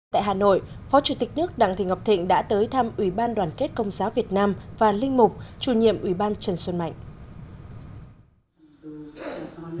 tại hà nội phó chủ tịch nước đặng thị ngọc thịnh đã tới thăm ủy ban đoàn kết công giáo việt nam và linh mục chủ nhiệm ủy ban trần xuân mạnh